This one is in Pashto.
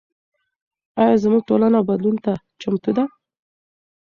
ایا زموږ ټولنه بدلون ته چمتو ده؟